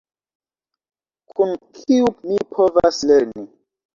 Kun kiu mi povas lerni